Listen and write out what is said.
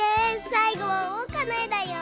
さいごはおうかのえだよ。